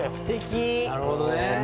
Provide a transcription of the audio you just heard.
あなるほどね。